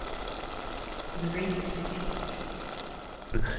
The radio became optional.